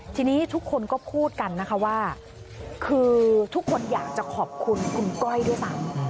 ทีนี้ทุกคนก็พูดกันนะคะว่าคือทุกคนอยากจะขอบคุณคุณก้อยด้วยซ้ำ